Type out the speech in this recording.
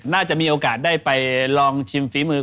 น่าจะมีโอกาสได้ไปลองชิมฝีมือ